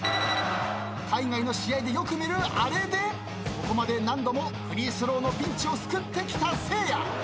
海外の試合でよく見るあれでここまで何度もフリースローのピンチを救ってきたせいや。